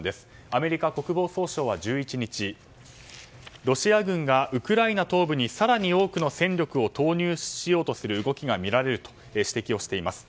アメリカ国防総省は１１日ロシア軍がウクライナ東部に更に多くの戦力を投入しようとする動きが見られると指摘しています。